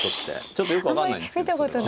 ちょっとよく分かんないんですけどそれは。